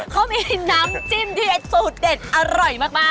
เขามีน้ำจิ้มที่เป็นสูตรเด็ดอร่อยมาก